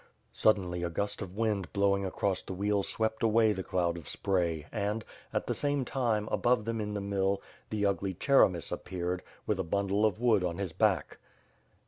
Suddenly, a gust of wind blowing across the wheel swept away the cloud of spray and, at the same time, above them in the mill, the ugly Cheremis appeared, with a bundle of wood on his back.